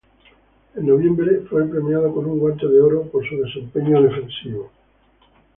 En noviembre fue premiado con un Guante de Oro por su desempeño defensivo.